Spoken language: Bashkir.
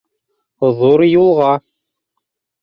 Ҙур юлға...